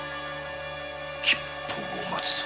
吉報を待つぞ。